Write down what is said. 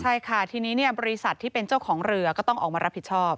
ใช่ค่ะทีนี้บริษัทที่เป็นเจ้าของเรือก็ต้องออกมารับผิดชอบ